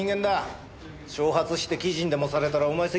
挑発して記事にでもされたらお前責任取れんのか！？